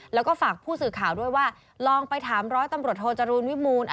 แล้วก็ฝากผู้สื่อข่าวด้วยว่าลองไปถามร้อยตำรวจโทจรูลวิมูล